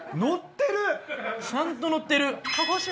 ちゃんと載ってる。